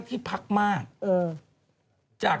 พี่ปุ้ยลูกโตแล้ว